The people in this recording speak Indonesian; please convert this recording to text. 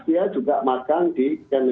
dia juga magang di